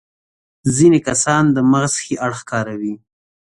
ځينې کسان د مغز ښي اړخ کاروي.